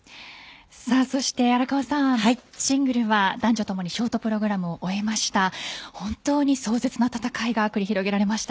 そして荒川さんシングルは男女ともにショートプログラムを終えました。